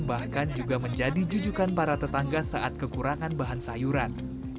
bahkan juga menjadi jujukan para tetangga saat kekurangan bahan sayuran